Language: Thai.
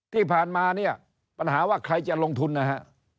ที่ผ่านมาเนี่ยปัญหาว่าใครจะลงทุนนะฮะ